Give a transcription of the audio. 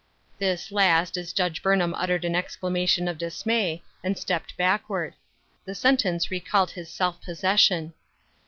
This last, as Judge Burnham uttered an ex clamation of dismay, and stepped backward. The sentence recalled his self possession.